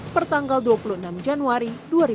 per tanggal dua puluh enam januari dua ribu dua puluh satu